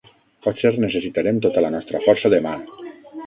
Potser necessitarem tota la nostra força demà.